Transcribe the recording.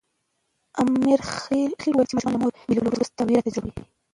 امرخېل وویل چې ماشومان له مور بېلېدو وروسته وېره تجربه کوي.